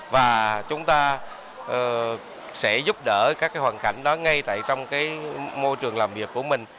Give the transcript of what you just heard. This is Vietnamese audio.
và chúng ta sẽ giúp đỡ các cái hoàn cảnh đó ngay tại trong cái môi trường làm việc của mình